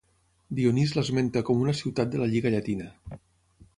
Dionís l'esmenta com una ciutat de la Lliga Llatina.